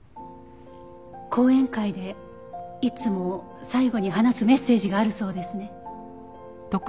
講演会でいつも最後に話すメッセージがあるそうですね。